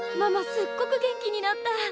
すっごく元気になった！